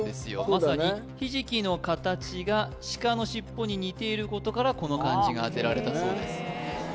まさにひじきの形が鹿の尻尾に似ていることからこの漢字が当てられたそうです